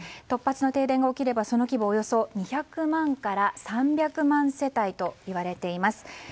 突発の停電が起きれば、その規模２００万から３００万世帯といわれています。